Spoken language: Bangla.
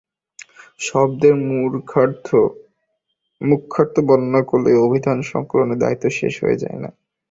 শব্দের মুখ্যার্থ বর্ণনা করলেই অভিধান সংকলকের দায়িত্ব শেষ হয়ে যায় না।